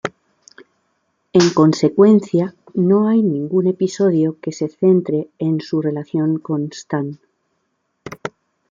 En consecuencia, no hay ningún episodio que se centra en son relación con Stan.